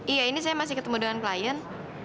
iya ini saya masih ketemu dengan klien